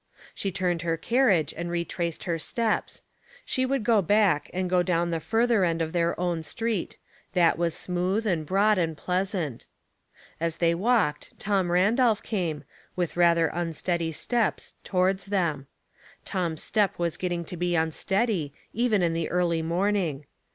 She turned her carriage and retraced her steps. She would go back and go down the further end of their own street — that was smooth and broad and pleasant. As they walked Tom Randolph came, with rather un God's Mystery of Grace. 821 steady steps, towards them. Tom's step wag getting to be unsteadjs even in the early morn ing.